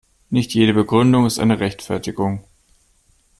Nicht jede Begründung ist eine Rechtfertigung.